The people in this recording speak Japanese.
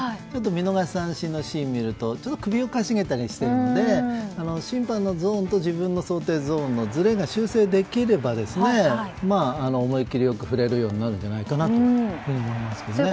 見逃し三振のシーンを見ると首を傾げたりしているので審判のゾーンと自分の想定ゾーンのずれが修正できれば思い切りよく振れるようになるんじゃないかと思いますけどね。